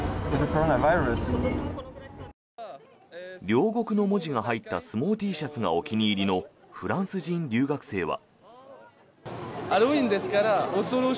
「両国」の文字が入った相撲Ｔシャツがお気に入りのフランス人留学生は。